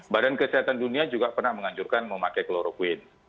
badan kesehatan dunia juga pernah menganjurkan memakai kloroquine